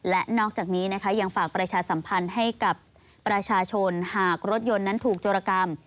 และนอกจากนี้นะคะยังฝากประชาสัมพันธ์ให้กับประชาชนหากรถยนต์นั้นถูกโจรกรรม